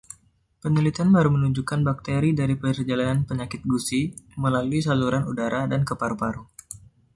Penelitian baru menunjukkan bakteri dari perjalanan penyakit gusi melalui saluran udara dan ke paru-paru.